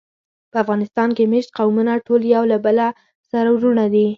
په افغانستان کې مېشت قومونه ټول یو له بله سره وروڼه دي.